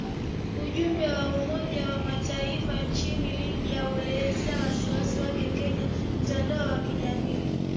Ujumbe wa Umoja wa Mataifa nchini Libya ulielezea wasiwasi wake kwenye mtandao wa kijamii